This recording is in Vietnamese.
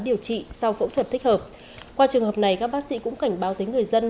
điều trị sau phẫu thuật thích hợp qua trường hợp này các bác sĩ cũng cảnh báo tới người dân